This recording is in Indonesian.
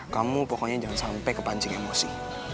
kamu pokoknya jangan sampai kepancing emosi